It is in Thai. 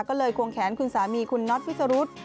ก็เลยควงแขนคุณสามีคุณน็อตวิสรุธ